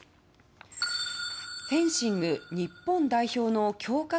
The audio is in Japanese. フェンシング日本代表の強化